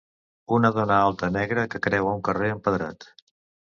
Una dona alta negra que creua un carrer empedrat.